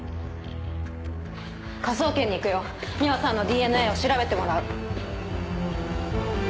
科捜研に行くよ美羽さんのＤＮＡを調べてもらう。